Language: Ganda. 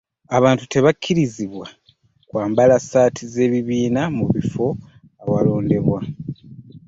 Abantu tebakkirizibwa kwambala ssaati z'ekibiina mu bifo awalondebwa.